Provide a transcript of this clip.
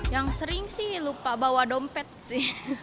yang sering sih lupa bawa dompet sih